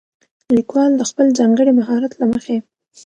ليکوال د خپل ځانګړي مهارت له مخې